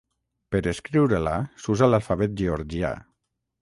Per escriure-la s'usa l'alfabet georgià.